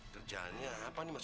kerjaannya apa mas